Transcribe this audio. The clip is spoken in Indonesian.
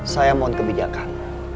saya mohon kebijakan